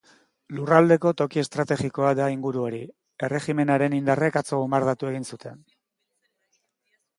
Lurraldeko toki estrategikoa da inguru hori, erregimenaren indarrek atzo bonbardatu egin zuten.